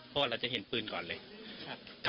เพราะเราก็จะเห็นพื้นก่อนเลย